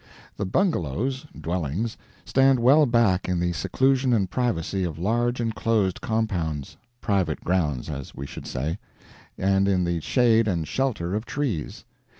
The bungalows (dwellings) stand well back in the seclusion and privacy of large enclosed compounds (private grounds, as we should say) and in the shade and shelter of trees.